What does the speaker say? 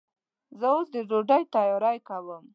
زه اوس د ډوډۍ تیاری کوم.